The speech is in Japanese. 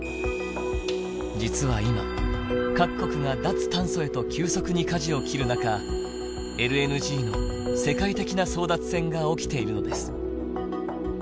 実は今各国が脱炭素へと急速にかじを切る中ＬＮＧの世界的な争奪戦が起きているのです。